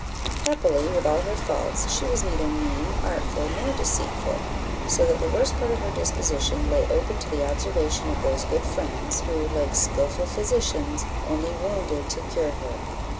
Happily, with all her faults, she was neither mean, artful, nor deceitful; so that the worst part of her disposition lay open to the observation of those good friends, who, like skilful physicians, only wounded to cure her.